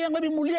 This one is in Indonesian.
yang lebih mulia